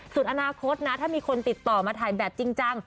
ส่วนอนาคตนะถ้ามีคนติดต่อมาถ่ายแบบจริงจัง